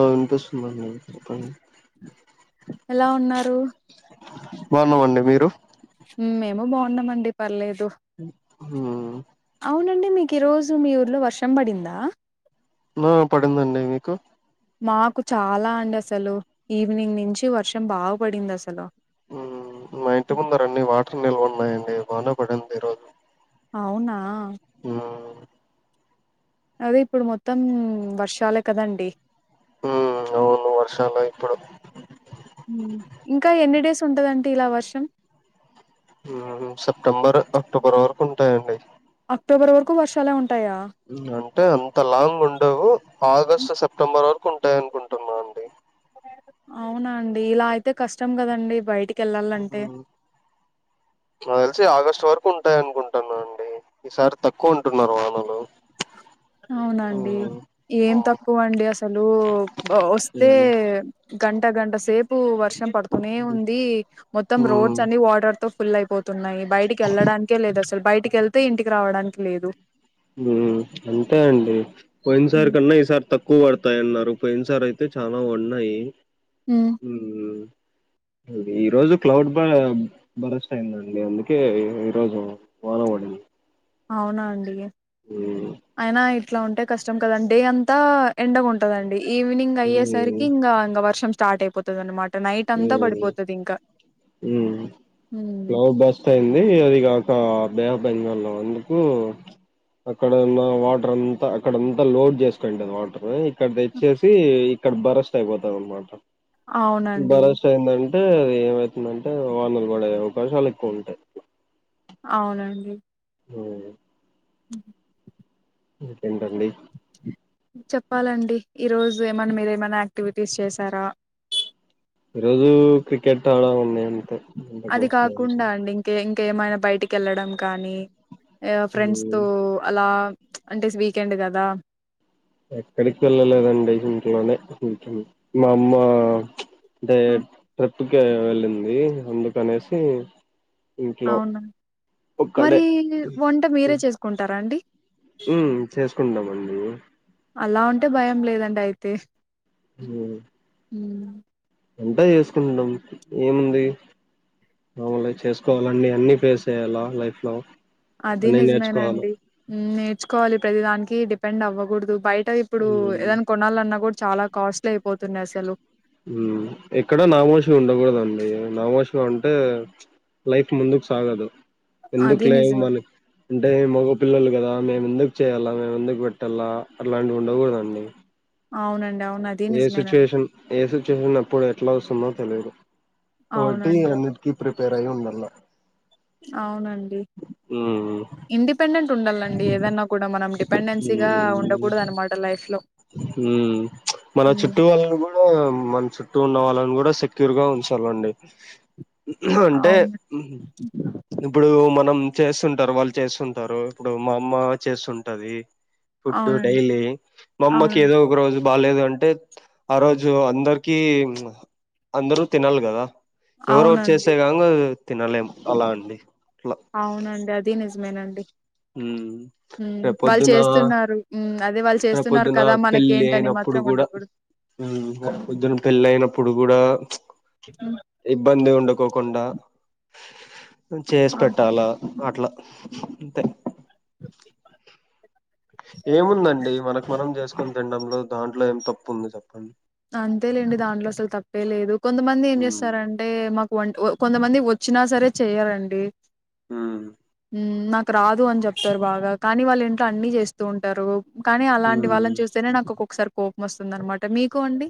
ఆ వింటస్తున్నాప్ప ఎలా ఉన్నారు బాగున్నామండి మీరు మ్, మేము బాగున్నామండి పర్లేదు దు హ అవునండి మీకు ఈరోజు మీ ఊర్లో వర్షం పడిందా హ్మ్. పడిందండి మీకు మాకు చాలా అండి అసలు ఈవినింగ్ నుంచి వర్షం బాగ పడింది అసలు మా ఇంటి ముందరండి వాటర్ నిల్వ ఉన్నాయండి బన పడంది రోజు అవునా మ్ అదే ఇప్పుడు మొత్తం వర్షాలే కదండి హ అవును వర్షాలు ఇయిప్పుడుదు ఇంకా ఎన్ని డేస్ ఉంటందంట ఇలా వర్షం సెప్టెంబర్ అక్టోబర్ వరకు ఉంటాయంండి అక్టోబర్ వరకు వర్షాల ఉ అంటే అంత లాంగ్ ఉండవు ఆగస్టు సెప్టెంబర్ వరకు కుంటాయి అనుకుంటున్నా అండి అవునా అండి ఇలా అయితే కష్టం కదండి బయటికి వెళ్ళాలంటే అ తెల్సి ఆగస్ట్ వరకు తక్కువ ఉంటాయి అనుకుంటున్నా అండి ఈసారి తక్కువ ఉంటున్నారు వానలు అవునండి ఏం తక్కువ అండి అసలు వస్తే గంట గంట సేపు వర్ష పడుతూనే ఉంది మొత్తం మ్మ్ రోడ్స్ అన్ని వాటర్ ఫుల్లయిపో న్నాయి బయటికి వెళ్ళడానికే లేదు అసల్ అ బయటికి వెళ్తే ఇంటికి రావడానికి లేదు ఉమ్ అంతే అండి ఒయింద సార్ హ్మ్. కన్నా ఈసార్ తక్కు ఎక్కువ పడతాయన్నారు పోయిన సారి అయితే చాలా పడినై హ్మ్. ఈరోజు క్లౌడ్ బ భరస్ అయిందండి అందుకే ఈరోోజు వానవడి అవునా అండి అయినా ఇట్లా ఉంటే కష్టం కదండీ అంతా ఎండగ ఉంటదండి ఈవినింగ్ ఉమ్ అయ్యేసరికి ఇంగ ఇంగ వర్షం స్టార్ట్ అయిపోతదన్నమాట ఉమ్ ఉ ప్లవర్ బస్ట్ అయింది అది కాక బే ఆఫ్ బెంగాల్ లో అందుకు అక్కడున్న వాటర్ అంతా అక్కడంతా లోడ్ చేసుకుంటది వాటర్ ఇక్కడ తెచ్చేసి ఇక్కడ బరెస్ట్ అయిపోతది అనమాట ఈ అవునండి భరోసా ఎందన్ టే ఏమవుతుందంటే వానలు పడే అవకాశాలు ఎక్కువ ఉంటాయి అవునండి ఉమ్ హ ఇంకేంటండి చెప్పాలండి ఈ రోజు ఏమన్నా మీరు ఏమైనా యాక్టివిటీస్ చేసారా ఈ రోజు క్రికెట్ ఆడామ్ అండి అది కాకుండా అండి ఇంకేం ఏమైనా బయటికెళ్లడం కానీ ఫ్రెండ్స్ హ్మ్. తో అలా అంటేస్ వీకెండ్ కదా ఎక్కడికి వెళ్ళలేదండి ఇంట్లోనే ఉంటున్న మామ్మ అంటే ట్రిప్ ట్టుక వెళ్ళింది అందుకనేసి ఇంట్లో అవునా ఒక్కడే మరి వంట మీరే చేసుకుంటారా అండి ఉమ్ చేసుకుంటామండి అలా ఉంటే భయం లేదండి అయితే మ్మ్ వంట చేసుకుంటాం ఏముంది మామూలే చేసుకోవాలండి అన్ని ఫేస్ చేయ్యాల లైఫ్ లో అది అన్ని నేర్చుకోవాలి నిజమేనండి నేర్ చ్చుకోవాలి ప్రతి దానికి డిపెండ్ అవ్వకూడదు బయ్ అ ఇప్పుడు మ్మ్ ఏదైనా కొనాల అన్నా కూడా చాలా కాస్ట్లీ అయ్ పోతున్నా అసలు ఉమ్ ఎక్కడ నాముషి ఉండకూడదండి నాముషిగా ఉంటే లైఫ్ ముందుకు సాగదు ఎందుకు అది లే నిజమే మన అంటే మగ పిల్లలు కదా మేము ఎందుకు చేయాలా మేము ఎందుకు పెట్టాల అట్లాంటివి ఉండకూడదండి అవునండి అవును అది ఏ నిజమేనండి షిచువేషన్ ఏ షిచువేషన్ అప్పుడు ఎట్లా వస్తుందో తెలియదు పోటి అవునండి అన్నిటికి ప్రిపేర్ అయి ఉండాలా అవునండి ఉమ్, ఇండిపెండెంట్ ఉండాలండి ఏదన్నా కూడా మనం డిపెండెన్సీగా ఉండకూడదనమాట లైఫ్ లో ఉ మన హ్మ్. చుట్టూ వాళ్ళను కూడా మన చుట్ ఉన్నవాళ్ళని కూడా సెక్యూర్ గా ఉంచాలండి. అంటే అవును ఇప్పుడు మన మనం చేస్తుంటారు. వాళ్ళు చేస్తుంటరు. ఇప్పుడు మా అమ్మ చేస్తుంటది. ఫుడ్ అవునండి డైలీ అమ్మకి అవునండి ఏదో ఒక రో బాలేదు అంటే ఆ రోజు అందరికి అందరూ తినాలి కదా ఎవరెవరు అవునండి చేసే కాంగ తినలేం అలా అండి అట్లా అవునండి నిజం మేన్ అండి మ్మ్ ఉ వాళ్ళు రేపొద్దున చేస్తున్నారు ఉ రేపొద్దున పెళ్లి అయినప్పుడు మాత్రం కూడాఉ ఉండకూడదు రేపొద్దున పెళ్లి అయినప్పుడు గూడా హ్మ్ ఇబ్బంది ఉండకోకుండా చేసి ఆ పెట్టాలా అట్లా అంతే ఏముందండి మనకు ఫోన్ చేస్త పుం తినడంలో దాంట్లో ఏం తప్పు ఉంది చెప్ప అంతేలేండి దాంట్లో అసలు తప్పే లేదు. కొంతమంది ఏం మ్మ్ చేస్తారంటే, మాకు వంట కొంతమంది వచ్చినా సరే చేయాలండి హ నాకు రాదు అని చెప్తారు. బాగా కానీ వాళ్ళ ఇంట్లో అన్ని చేస్తూ ఉంటారు. కానీ అలాంటి హ్మ్ వాళ్ళని చూస్తేనే నాకు ఒక్కసారి కోపం వస్తుంద అనమాట మీకు కోండి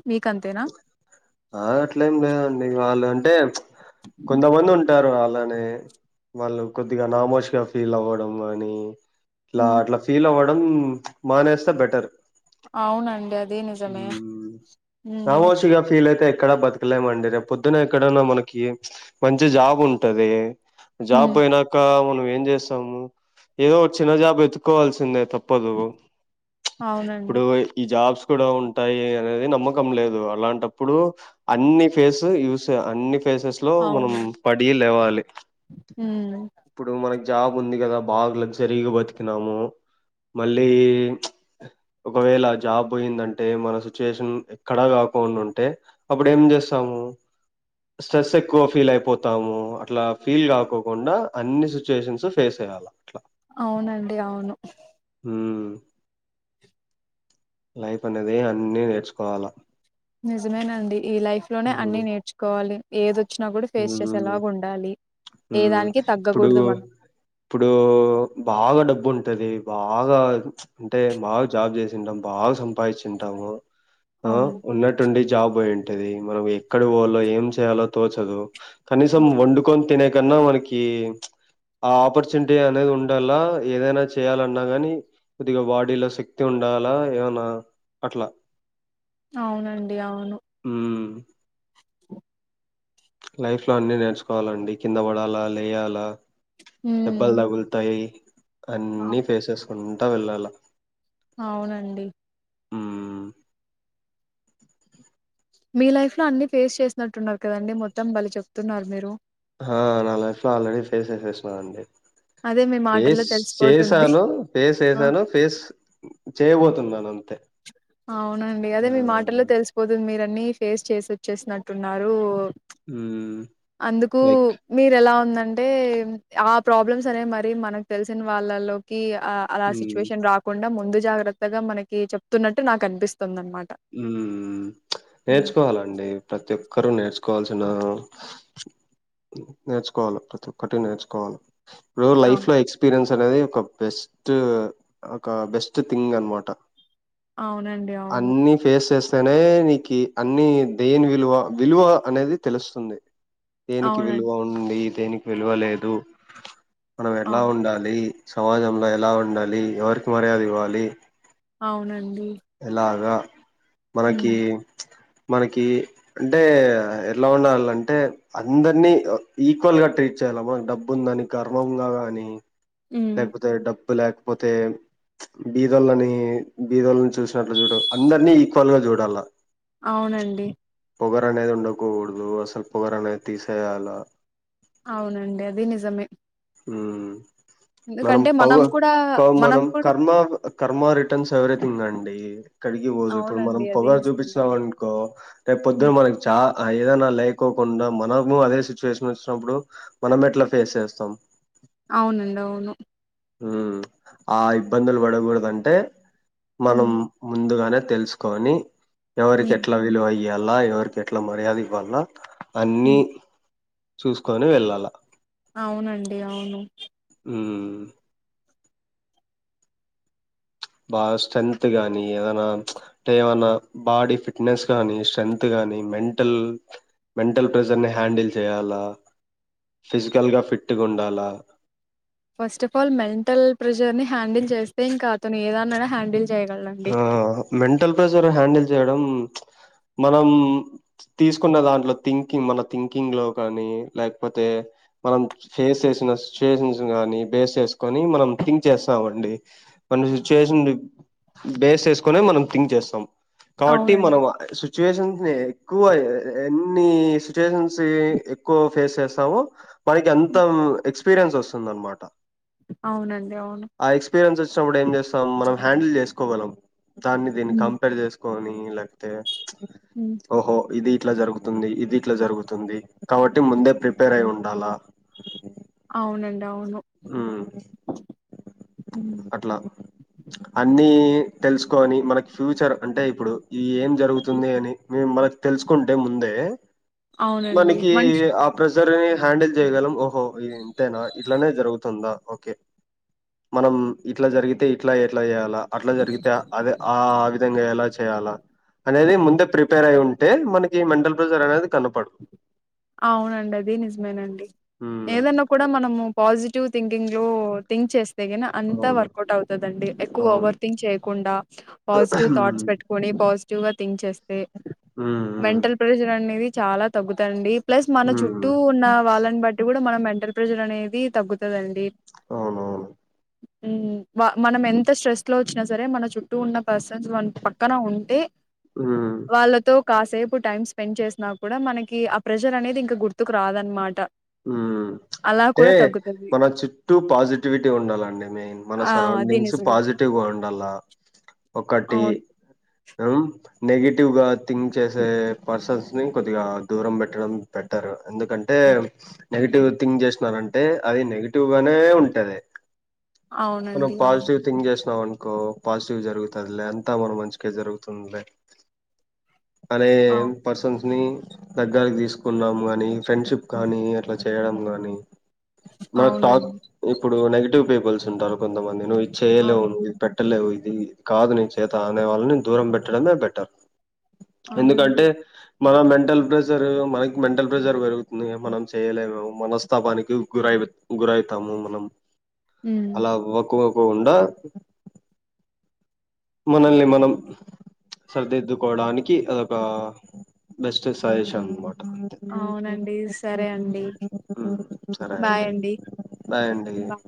ఆ అట్లేం లేదండి వాళ్ళం డన్స్ కొంతమంది ఉంటరు అలా అలానే వాళ్ళు కొద్దిగా నామోష్గా ఫీల్ అవ్వడం అని ఇలా మ్మ్ అట్లా ఫీల్ అవ్వడ డం మానేస్తే బెటర్ అవునండి అది నిజమే మ్మ్ నమోష్గా ఫీల్ అయితే ఎక్కడ బతకలేమండి పొద్దున ఎక్కడన్నా మనకి మంచి జాబ్ ఉంటది జాబ్ మ్మ్ పోయినాక మన ఏం చేస్తాము ఏదో ఒక చిన్న జాబు ఎతుకోవాల్సిందే తప్పు ప్పదు ఇప్పుడు అవునండి ఈ జాబ్స్ కూడా ఉంటాయి అనేది నమ్మకం లేదు అలాంటప్పుడు అన్ని ఫేస్ యూస్ అన్ని ఫేసెస్ లో మనం అవునండి పడి లేవాలి మ్మ్ ఇప్పుడు మనకి జాబ్ ఉంది గదా బాగా లగ్జరీగా బతికినాము మళ్ళీ ఒకవేళ జాబ్ పోయిందంటే మన సిచ్యుయేషన్ ఎక్కడా కాకుండా ఉంటే అప్పుడు ఏం చేస్తాము స్ట్రెస్ ఎక్కువ ఫీల్ అయిపోతాము అట్లా ఫీల్ కాకోకుండా అన్ని సిచ్యుయేషన్స్ ఫేస్ అయాల అట్లా అవునండి అవును ఊ లైఫ్ అనేది అన్ని నేర్చుకోవాల నిజమేనండి ఈ లైఫ్ లోనే అన్ని నేర్చుకోవాలి ఏదో వచ్చినా కూడా ఫేస్ హ్మ్ చేసేలాగా ఉండాలి హ్మ్ ఏదానికి తగ్గకూడదు ఇప్పుడు మనం ఇప్పుడు బాగా డబ్బు ఉంటది బాగా అంటే బాగా జాబ్ చేసింటాం బాగా సం పాయిచ్చింటాము ఉ అవును ఉన్నటుండి జాబ్ పోయింటది మనం ఎక్కడ పోవాలో ఏం చేయాలో తోచ టదో కనీసం హ్మ్. వండుకొని తినే కన్నా మనకి ఆ ఆపర్చునిటీ అనేది ఉండాలా ఏదైనా చేయాలన్నా గాని కొద్దిగా బాడీలో శక్తి ఉండాలా ఏమనా అట్లా అవునండి అవును మ్మ్ లైఫ్ లో అన్ని నేర్చుకోవాలండి కింద పడాలా లేయాలా దెబ్బలు మ్మ్ తగుల్తాయ్ అన్ని ఫేసెస్ ఉంట వెళ్ళాలా అవునండి ఊ మీ లైఫ్ లో అన్ని ఫేస్ చేసినట్టున్నారు కదండి మొత్తం భలే చెప్తున్నారు మీరు హా నా లైఫ్ లో ఆల్రెడీ ఫేస్ చేసేసినా అండి అదే మీ మాటల్లో ఫేస్ తెలిసిపోతుంది. చేసాను ఫేస్ ఆ! చేసాను ఫేస్ చేయబోతున్నాను అంతే అవునండి అదే ఆ మీ మాటల్లో తెలిసిపోతుంది మీర న్ని ఫేస్ చేసి వచ్చేసినట్టున్నారూ మ్మ్ అందుకు లైక్ మీరు ఎలా ఉన్నా అంటే ఆ ప్రాబ్లమ్స్ అనేవి మరి మనకు తెలిసిన వాళ్ళలోకి ఆ అలా మ్మ్ సిచ్యువేషన్ రాకుండా ముందే జాగ్రత్తగా మనకి చెప్తున్నట్ ట్టు నాకు అనిపిస్తుందండి ఉమ్ నేర్చుకోవాలండి ప్రతి ఒక్కరూ నేర్చుకో కోవాల్సిన నేర్చుకోవాల ప్రతి ఒక్కటి నేర్చుకోవాల ఇప్పుడు లైఫ్ అవును. లో ఎక్స్పీరియన్స్ నేది ఒక బెస్ట్ ఒక బెస్ట్ థింగ్ అనమాట అవునండి అవును సేస్తేనే నీకి అన్ని దేని విలువ విలువ అనేది తెలుస్తుంది దేనికి విలువ అవునండి. ఉంది దేనీకి విలువలేదు మనం ఎట్లా అవును. ఉండాలి సమాజంలో ఎలా ఉండాలి ఎవరికి మర్యాదివ్వాలి అవునండి ఏలాగ హ్మ్. మనకీ మనకి అంటే ఎట్లా ఉండాలంటే అందరినీ ఈక్వల్ గా ట్రీట్ చేయాల మనకి డబ్బు ఉందని గర్వంగా గానీ హ్మ్. లేకపోతే డబ్ డబ్బు లేకపోతే బీదోళ్లని బిధోల్న్ చూస్ చూసినట్లు సుడు అందరినీ ఈక్వల్ గా చూడాల్ల అవునండీ పొగరు అనేది ఉండకకూడదు అసలు పొగరు అనేది తీసేయాల అవునండి అది నిజమే ఉమ్ మనం ఎందుకంటే పవ కూడా మనం కర్మ కర్మ రిటర్న్స్ ఎవరైతే ఇంగండి ఎక్కడిగి పోదు ఇప్పుడు మనం అవునండి అదే పొగరు చూపిచ్చినాం నిజమేనండి అనుకో రేపు పొద్దున హ్మ్. మనకి చ ఆ ఏదనా లేకోకుండా మనము అదే సిచ్యువేషన్ వచ్చినప్పుడు మనం ఎట్లా ఫేస్ చేస్తాం అవునండి అవును ఉ ఆ ఇబ్బందులు పడకూడదంటే మనం ఉమ్ ముందుగానే తెలుసుకోని ఎవరికి ఎట్లా విలువ ఇ ఎలా ఎవరు ఎట్లా మర్యాద ఇవ్వాల్నా అన్ని ఉమ్ చూసుకొని వెళ్ళాలా అవునండి అవును హ్మ్ బాగా స్ట్రెంగ్త్ గానీ ఏదైనా అంటే ఏమైనా బాడీ ఫిట్నెస్ కానీ స్ట్రెంగ్త్ కాగానీ మెంటల్ మెంటల్ ప్రెజర్ ని హ్యాండిల్ చేయాలా ఫిజికల్గా ఫిట్గా ఉండాలా first of all mental pressure ని హ్యాండిల్ చేస్తే ఇంక అతను ఏదాన్నైనా హ్యాండిల్ చేయగలండి మెంటల్ ప్రెసర్ హ్యాండిల్ చేయడం మనం తీసుకున్న దాంట్లో థింకింగ్ మన థింకింగ్ లో కానీ లేకపోతే మనం ఫేస్ చేసిన సిచ్యుయేషన్స్ కానీ బేస్ చేసుకొని మనం థింక్ చేస్తామండి మన సిచయేషన్ బేస్ వేసుకొనే మనం థింక్ చేస్తాం కాబట్టి మనం అవునండి సిచువేషన్స్ ని ఎక్కువ ఎన్ని సిచ్యుయేషన్స్ ఎక్కువ ఫేస్ చేస్తామొ మనకి అంత హ్మ్. ఎక్స్పీరియన్స్ వస్తుంది అనమాట అవునండి అవును ఆ ఎక్స్పీరియన్స్ వచ్చినప్పుడు ఏం చేస్తాం మనం హ్యాండిల్ చేస్ కోగలం దాన్ని దీన్ని హ్మ్. కంపేర్ చేసుకు కొనీ లాక్తే హ్మ్. ఓహో ఇది ఇట్లా జరుగుతుంది ఇది ఇట్లా జరుగుతుంది కాబట్టి ముందే ప్రిపేర్ అయి ఉండాలా అవునం హ్మ్ హ్మ్. అట్లా అన్ని తెలుసుకొని మనకి ఫ్యూచర్ అంటే ఇప్పుడు ఇ ఏం జరుగుతుంది అని మేము మ తెల్సుకుంటే ముందే అవునండి మనకి మంచి ఆ ప్ర ర్ని హ్యాండిల్ చేయగలం ఓహో ఇ తెనా ఇట్లనే తుందా ఓకే మనం ఇట్లా జరిగితే ఇట్లా ఎట్లా చే అట్లా జరిగితే అది ఆ విధంగా ఎలా చేయాలా అనేది ముందే ప్రిప ప్రిపేర్ అయి ఉంటే మనకి మెంటల్ ప్రెజర్ అనేది కనపడదు. అవునండి అది నిజమేనండి హ్మ్. ఏదన్నా కూడా మనము పాజిటివ్ థింకింగ్ లో థింక్ చేస్ తెగిన అంతా అవును. వర్కౌట్ అవుతుందండి ఎక్కువ అవును. ఓవర్ థింక్ చేయకుండా పాజిటివ్ థాట్స్ పెట్టుకుని పాజ్ టివ్ గా థింక్ చే తే హ్మ్ హ్మ్ మెంటల్ ప్రెజర్ అనేది చాలా తగ్గుతాండి ప్లస్ మన హ్మ్ చుట్టూ ఉన్న వాళ్ళని బట్టి కూడా మనం మెంటల్ ప్రెజర్ అనే వి తగ్గుతదండి అవునవును మనం ఎంత స్ట్రెస్ లో వచ్చినా సరే మన చుట్టూ ఉన్న పర్సన్స్ మ పక్కన ఉంటే ఉ వాళ్ళతో కాసేపు టైం స్పెండ్ చేసినా కూడా మనకి కి ఆ ప్రెజర్ అనేది ఇంక గుర్తుకు రాదనమాట మ్ అలా అంటే కూడా తగ్గుతది. మన చుట్టూ పాజిటివిటీ ఉండాలండి మెయిన్, మన ఆ అది సరౌండింగ్స్ నిజమే పాజిటివ్గా ఉండాల ఒకటి అవును. ఉమ్మ్ నెగిటివ్ క్టివ్ గా థింక్ చేసే పర్సన్స్ కొద్దిగా దూరం పెట్టడం పెట్టరు ఎందుకంటే నెగిటివ్ థింక్ చేసినారంటే అది నెగి టివ్గానే ఉంటది మనం అవునండి అవును పాజిటివ్ థింగ్ చేసినం ఇంకో పాజిటివ్ జరుగుతుందిలే అంతా మనం మంచికె జరుగుతుందిలే అనే అవు పర్సన్స్ని దగ్గాలికి తీసుకున్నాము కాగాని ఫ్రెండ్షిప్ కానీ అట్లా చేయడం కానీ మనకు టాక్ అవునండి ఇప్పుడు నెగిటివ్ పీపుల్స్ ఉంటారు కొంతమంది ను చేయలేవు నువి అవునండి పెట్టలేవు ఇది కాదు నీ చేత అనే వాళ్ళని దూరం పెట్టడమే బెటర్ అవునండి ఎందుకంటే మన మెంటల్ ప్రెషర్ మనకి మెంటల్ ప్రెషర్ పెరుగుతుం మనం చేయలేము మనస్తాపానికి గురై గురైతాము మనం ఉమ్, అలా వాక్ వ కుండా మనల్ని మనం సరిదిద్దుకోవడానికి అదొక బెస్ట్ సజెషన్ అనమాట అంతే అవునండి సరే అండి సరే అండి బాయ్ అండి బాయ్